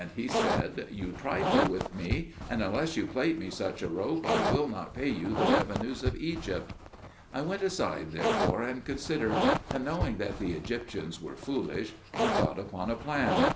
He said, "You trifle with me; and unless you plait me such a rope I will not pay you the revenues of Egypt." I went aside therefore and considered; and knowing that the Egyptians were foolish, I thought upon a plan.